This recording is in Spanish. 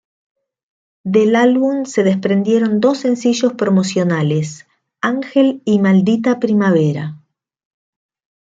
Del álbum se desprendieron dos sencillos promocionales, Ángel y "Maldita Primavera".